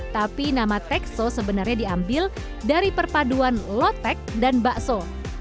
tapi nama tekso sebenarnya diambil dari perpaduan lotek dan bakso